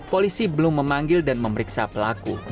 polisi belum memanggil dan memeriksa pelaku